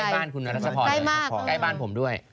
บ้านคุณรัชพรใกล้บ้านผมด้วย